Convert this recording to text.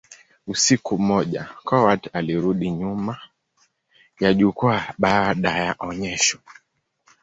Usiku mmoja, Coward alirudi nyuma ya jukwaa baada ya onyesho.